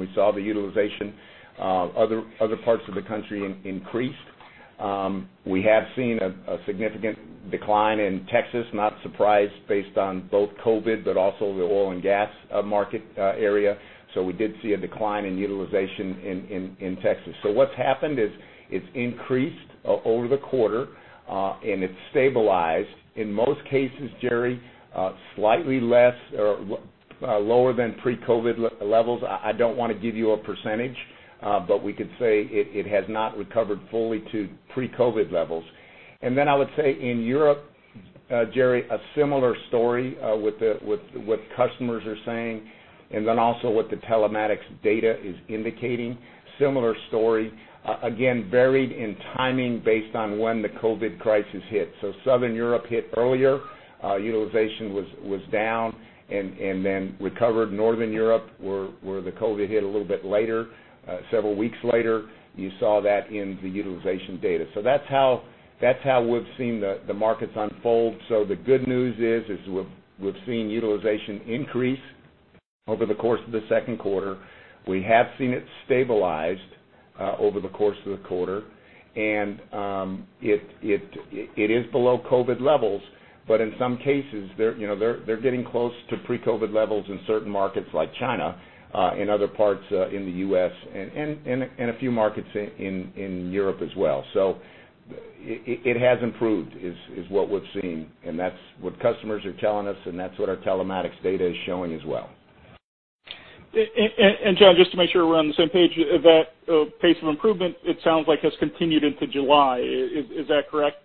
we saw the utilization. Other parts of the country increased. We have seen a significant decline in Texas, not surprised based on both COVID-19, but also the oil and gas market area. We did see a decline in utilization in Texas. What's happened is it's increased over the quarter, and it's stabilized. In most cases, Jerry, slightly less or lower than pre-COVID-19 levels. I don't want to give you a percentage, but we could say it has not recovered fully to pre-COVID levels. I would say in Europe, Jerry, a similar story with what customers are saying, and then also what the telematics data is indicating. Similar story, again, varied in timing based on when the COVID crisis hit. Southern Europe hit earlier. Utilization was down and then recovered. Northern Europe, where the COVID hit a little bit later, several weeks later, you saw that in the utilization data. That's how we've seen the markets unfold. The good news is we've seen utilization increase over the course of the second quarter. We have seen it stabilized over the course of the quarter, and it is below COVID-19 levels, but in some cases, they're getting close to pre-COVID-19 levels in certain markets like China, in other parts in the U.S., and a few markets in Europe as well. It has improved, is what we're seeing, and that's what customers are telling us, and that's what our telematics data is showing as well. John, just to make sure we're on the same page, that pace of improvement, it sounds like, has continued into July. Is that correct?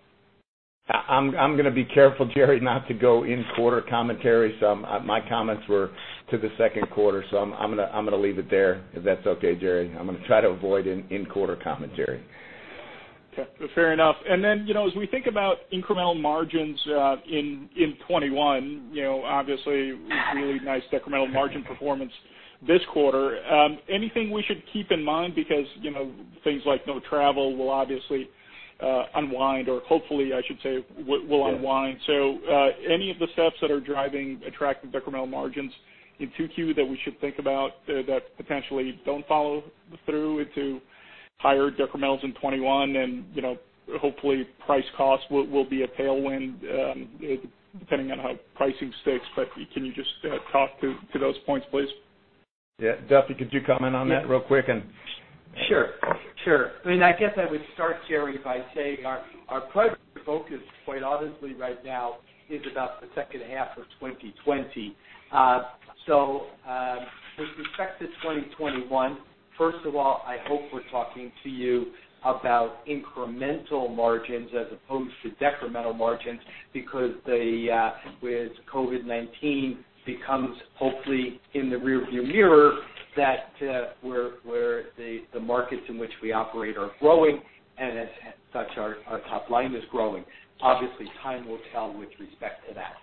I'm going to be careful, Jerry, not to go in-quarter commentary. My comments were to the second quarter. I'm going to leave it there, if that's okay, Jerry. I'm going to try to avoid in-quarter commentary. Okay, fair enough. As we think about incremental margins in 2021, obviously, really nice decremental margin performance this quarter. Anything we should keep in mind because, things like no travel will obviously unwind or hopefully, I should say, will unwind. Yeah. Any of the steps that are driving attractive decremental margins in 2Q that we should think about that potentially don't follow through into higher decrementals in 2021, and hopefully price cost will be a tailwind, depending on how pricing sticks, but can you just talk to those points, please? Yeah. Duffy, could you comment on that real quick. Sure. I guess I would start, Jerry, by saying our primary focus, quite honestly right now, is about the second half of 2020. With respect to 2021, first of all, I hope we're talking to you about incremental margins as opposed to decremental margins because with COVID-19 becomes hopefully in the rear view mirror that where the markets in which we operate are growing and as such our top line is growing. Obviously time will tell with respect to that.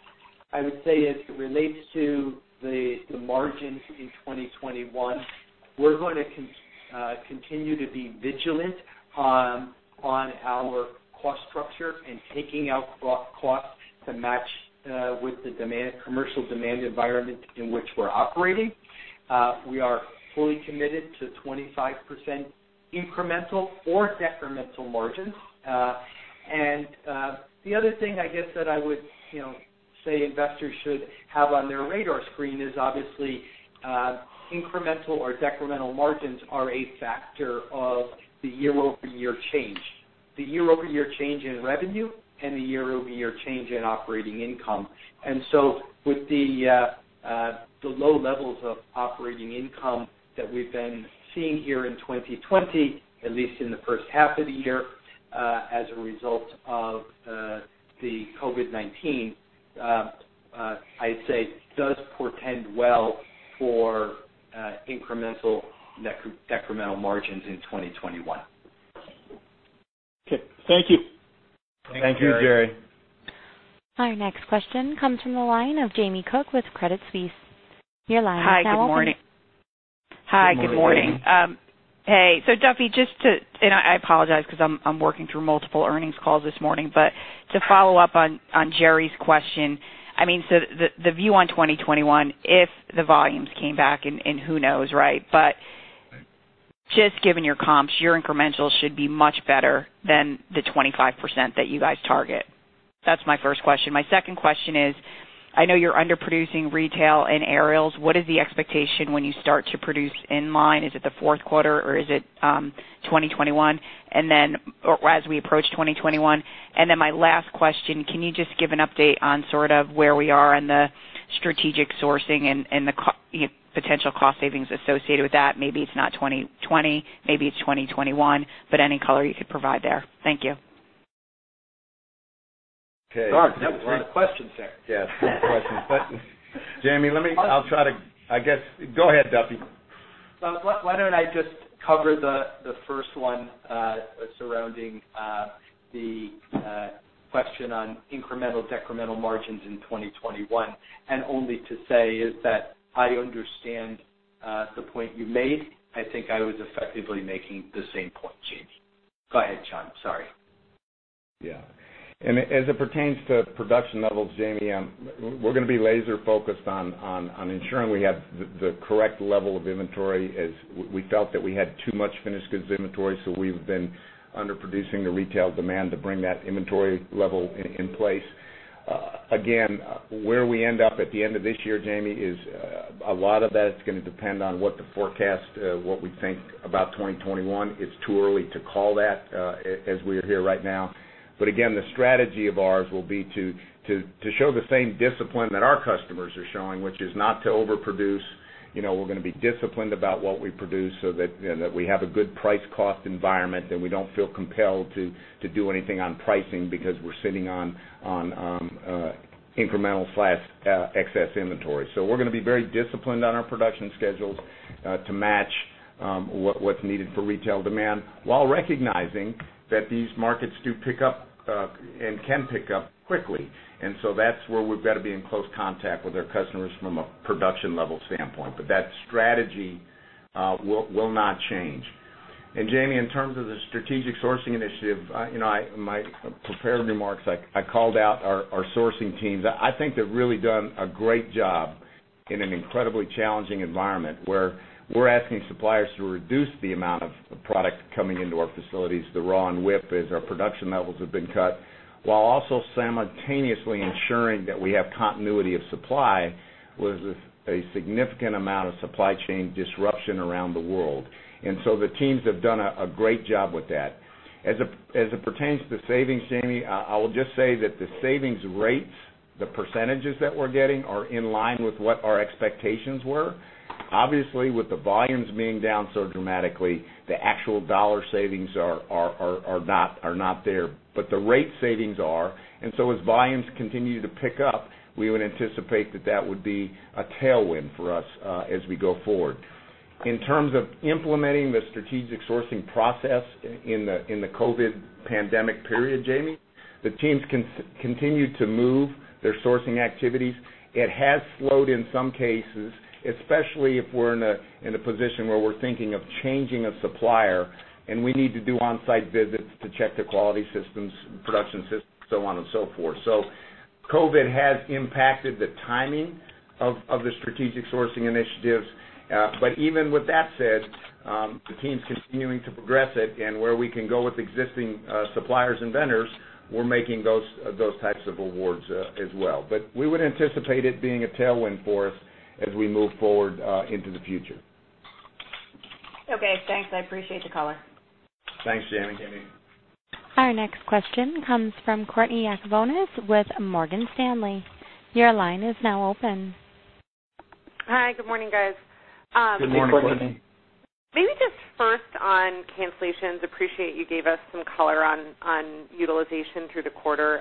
I would say as it relates to the margins in 2021, we're going to continue to be vigilant on our cost structure and taking out cost to match with the commercial demand environment in which we're operating. We are fully committed to 25% incremental or decremental margins. The other thing I guess that I would say investors should have on their radar screen is obviously, incremental or decremental margins are a factor of the year-over-year change, the year-over-year change in revenue and the year-over-year change in operating income. With the low levels of operating income that we've been seeing here in 2020, at least in the first half of the year as a result of the COVID-19, I'd say does portend well for incremental/decremental margins in 2021. Okay. Thank you. Thank you, Jerry. Our next question comes from the line of Jamie Cook with Credit Suisse. Your line is now open. Hi. Good morning. Good morning. Hey. Duffy, I apologize because I'm working through multiple earnings calls this morning, to follow up on Jerry's question, the view on 2021, if the volumes came back and who knows? Just given your comps, your incrementals should be much better than the 25% that you guys target. That's my first question. My second question is, I know you're underproducing retail in Aerials. What is the expectation when you start to produce in-line? Is it the fourth quarter or is it 2021? As we approach 2021, my last question, can you just give an update on sort of where we are in the strategic sourcing and the potential cost savings associated with that? Maybe it's not 2020, maybe it's 2021, any color you could provide there. Thank you. Okay. That was three questions there. Yes. Three questions. Jamie, I guess, go ahead, Duffy. Why don't I just cover the first one surrounding the question on incremental/decremental margins in 2021, and only to say is that I understand the point you made. I think I was effectively making the same point, Jamie. Go ahead, John. Sorry. Yeah. As it pertains to production levels, Jamie, we're going to be laser focused on ensuring we have the correct level of inventory as we felt that we had too much finished goods inventory, so we've been underproducing the retail demand to bring that inventory level in place. Again, where we end up at the end of this year, Jamie, is a lot of that's going to depend on what the forecast, what we think about 2021. It's too early to call that as we're here right now. Again, the strategy of ours will be to show the same discipline that our customers are showing, which is not to overproduce. We're going to be disciplined about what we produce so that we have a good price cost environment, and we don't feel compelled to do anything on pricing because we're sitting on incremental/excess inventory. We're going to be very disciplined on our production schedules to match what's needed for retail demand while recognizing that these markets do pick up and can pick up quickly. That's where we've got to be in close contact with our customers from a production level standpoint. That strategy will not change. Jamie, in terms of the strategic sourcing initiative, in my prepared remarks, I called out our sourcing teams. I think they've really done a great job in an incredibly challenging environment where we're asking suppliers to reduce the amount of product coming into our facilities, the raw and WIP, as our production levels have been cut, while also simultaneously ensuring that we have continuity of supply with a significant amount of supply chain disruption around the world. The teams have done a great job with that. As it pertains to savings, Jamie, I will just say that the savings rates, the percentages that we're getting are in line with what our expectations were. Obviously, with the volumes being down so dramatically, the actual dollar savings are not there, but the rate savings are. As volumes continue to pick up, we would anticipate that that would be a tailwind for us as we go forward. In terms of implementing the strategic sourcing process in the COVID pandemic period, Jamie, the teams continue to move their sourcing activities. It has slowed in some cases, especially if we're in a position where we're thinking of changing a supplier and we need to do on-site visits to check their quality systems, production systems, so on and so forth. COVID has impacted the timing of the strategic sourcing initiatives. Even with that said, the team's continuing to progress it. Where we can go with existing suppliers and vendors, we're making those types of awards as well. We would anticipate it being a tailwind for us as we move forward into the future. Okay, thanks. I appreciate the color. Thanks, Jamie. Our next question comes from Courtney Yakavonis with Morgan Stanley. Your line is now open. Hi. Good morning, guys. Good morning, Courtney. Maybe just first on cancellations. Appreciate you gave us some color on utilization through the quarter.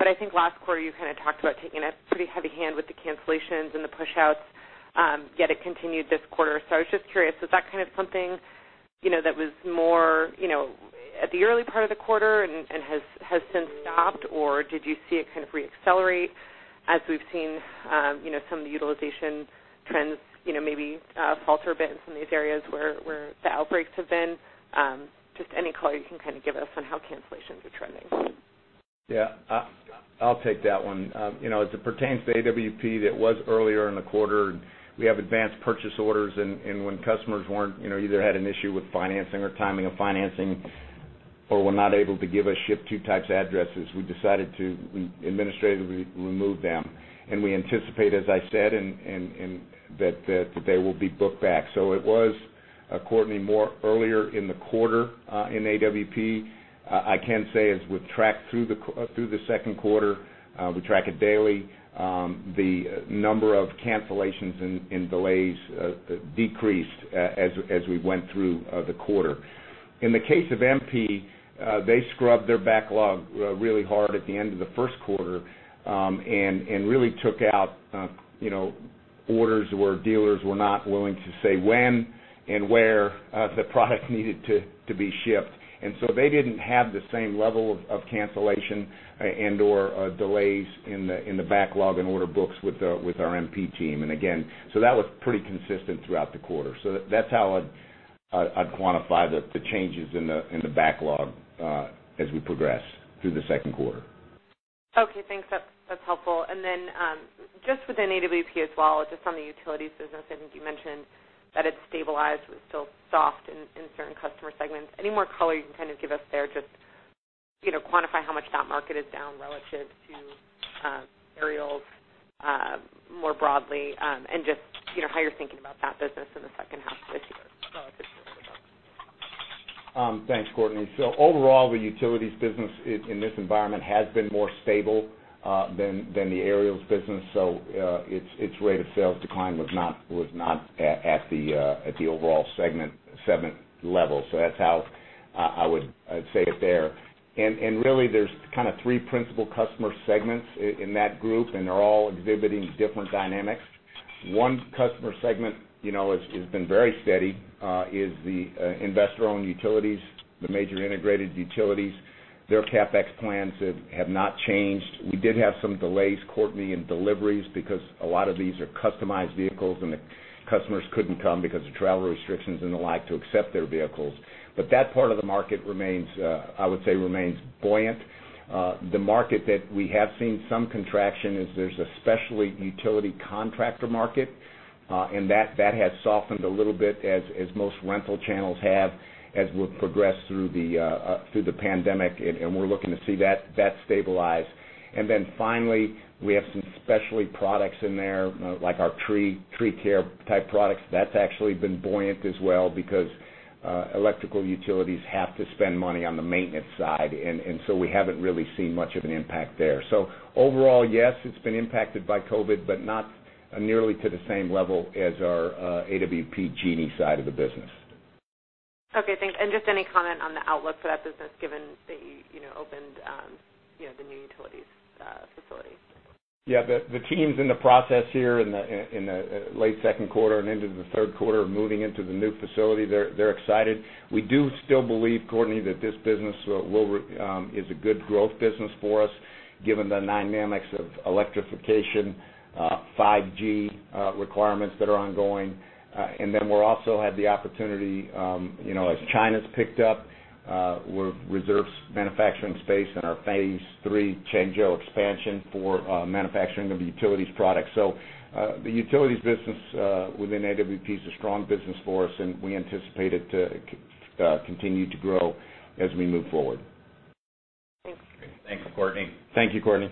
I think last quarter you kind of talked about taking a pretty heavy hand with the cancellations and the push-outs, yet it continued this quarter. I was just curious, is that kind of something that was more at the early part of the quarter and has since stopped, or did you see it kind of re-accelerate as we've seen some of the utilization trends maybe falter a bit in some of these areas where the outbreaks have been? Just any color you can kind of give us on how cancellations are trending. Yeah. I'll take that one. As it pertains to AWP, that was earlier in the quarter. We have advanced purchase orders, and when customers either had an issue with financing or timing of financing or were not able to give us ship to types addresses, we administratively removed them. We anticipate, as I said, that they will be booked back. It was, Courtney, more earlier in the quarter in AWP. I can say as we track through the second quarter, we track it daily, the number of cancellations and delays decreased as we went through the quarter. In the case of MP, they scrubbed their backlog really hard at the end of the first quarter and really took out orders where dealers were not willing to say when and where the product needed to be shipped. They didn't have the same level of cancellation and/or delays in the backlog and order books with our MP team. Again, that was pretty consistent throughout the quarter. That's how I'd quantify the changes in the backlog as we progress through the second quarter. Okay, thanks. That's helpful. Just within AWP as well, just on the Utilities business, I think you mentioned that it's stabilized but still soft in certain customer segments. Any more color you can kind of give us there, just quantify how much that market is down relative to aerials more broadly and just how you're thinking about that business in the second half of this year. Thanks, Courtney. Overall, the utilities business in this environment has been more stable than the aerials business, its rate of sales decline was not at the overall segment level. That's how I would say it there. Really, there's kind of three principal customer segments in that group, and they're all exhibiting different dynamics. One customer segment has been very steady, is the investor-owned utilities, the major integrated utilities. Their CapEx plans have not changed. We did have some delays, Courtney, in deliveries because a lot of these are customized vehicles, and the customers couldn't come because of travel restrictions and the like to accept their vehicles. That part of the market, I would say, remains buoyant. The market that we have seen some contraction is there's a specialty utility contractor market, that has softened a little bit as most rental channels have as we've progressed through the pandemic, we're looking to see that stabilize. Then finally, we have some specialty products in there, like our tree care type products. That's actually been buoyant as well because electrical utilities have to spend money on the maintenance side, so we haven't really seen much of an impact there. Overall, yes, it's been impacted by COVID-19, but not nearly to the same level as our AWP Genie side of the business. Okay, thanks. Just any comment on the outlook for that business, given that you opened the new Utilities facility? Yeah. The team's in the process here in the late second quarter and into the third quarter of moving into the new facility. They're excited. We do still believe, Courtney, that this business is a good growth business for us given the dynamics of electrification, 5G requirements that are ongoing. Then we'll also have the opportunity, as China's picked up, we've reserved manufacturing space in our phase III Changzhou expansion for manufacturing of Utilities products. The Utilities business within AWP is a strong business for us, and we anticipate it to continue to grow as we move forward. Thanks. Thank you, Courtney. Thank you, Courtney.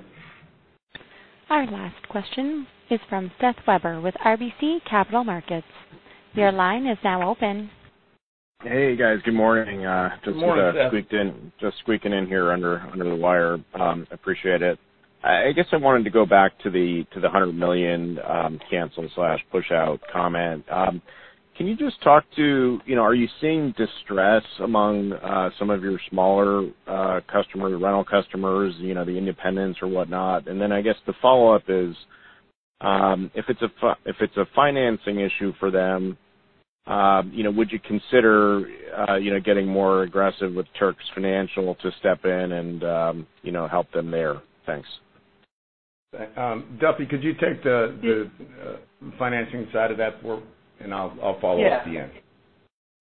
Our last question is from Seth Weber with RBC Capital Markets. Your line is now open. Hey, guys. Good morning. Good morning, Seth. Just squeaking in here under the wire. Appreciate it. I guess I wanted to go back to the $100 million cancel/push out comment. Can you just talk to, are you seeing distress among some of your smaller customer, your rental customers, the independents or whatnot? I guess the follow-up is, if it's a financing issue for them, would you consider getting more aggressive with Terex Financial to step in and help them there? Thanks. Duffy, could you take the financing side of that and I'll follow up at the end.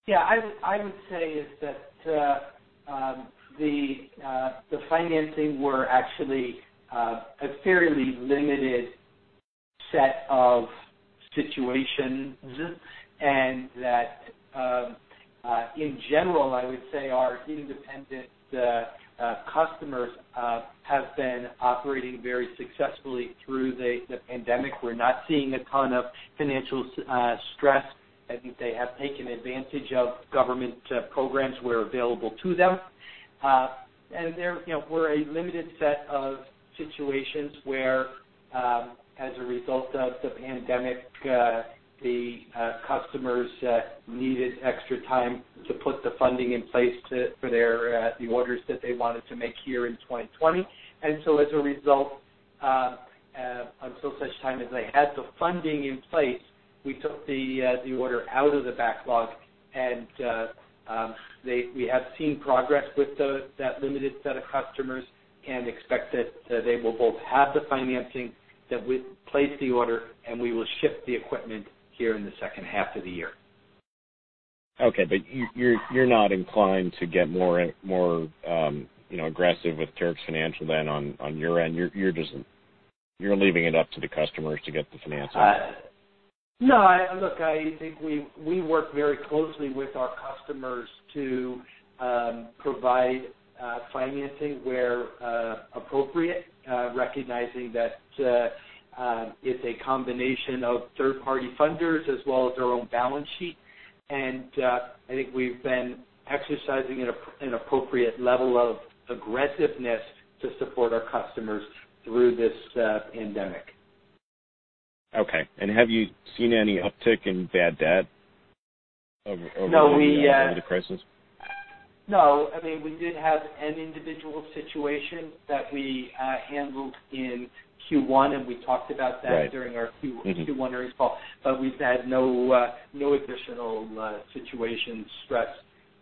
Yeah. I would say is that the financing were actually a fairly limited set of situations. That in general, I would say our independent customers have been operating very successfully through the pandemic. We're not seeing a ton of financial stress. I think they have taken advantage of government programs where available to them. There were a limited set of situations where as a result of the pandemic, the customers needed extra time to put the funding in place for the orders that they wanted to make here in 2020. As a result, until such time as they had the funding in place, we took the order out of the backlog and we have seen progress with that limited set of customers and expect that they will both have the financing, that we place the order, and we will ship the equipment here in the second half of the year. Okay. You're not inclined to get more aggressive with Terex Financial then on your end. You're leaving it up to the customers to get the financing. No. Look, I think we work very closely with our customers to provide financing where appropriate, recognizing that it's a combination of third-party funders as well as our own balance sheet. I think we've been exercising an appropriate level of aggressiveness to support our customers through this pandemic. Okay. Have you seen any uptick in bad debt over the crisis? No. We did have an individual situation that we handled in Q1, and we talked about that. Right. During our Q1 earnings call, we've had no additional situation stress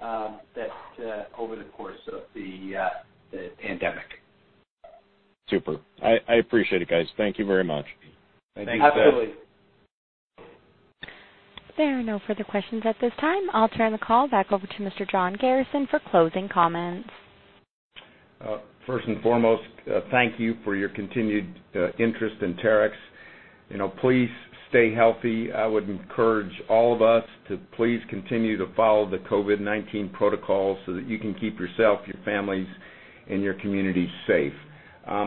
over the course of the pandemic. Super. I appreciate it, guys. Thank you very much. Thanks, Seth. Absolutely. There are no further questions at this time. I'll turn the call back over to Mr. John Garrison for closing comments. First and foremost, thank you for your continued interest in Terex. Please stay healthy. I would encourage all of us to please continue to follow the COVID-19 protocols so that you can keep yourself, your families, and your communities safe.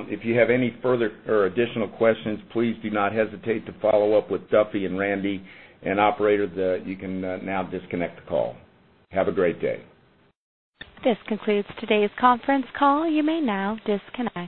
If you have any further or additional questions, please do not hesitate to follow up with Duffy and Randy. Operator, you can now disconnect the call. Have a great day. This concludes today's conference call. You may now disconnect.